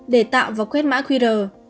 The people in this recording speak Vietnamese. để tạo và quét mã qr